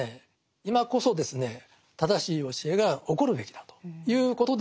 今こそですね正しい教えが起こるべきだということでですね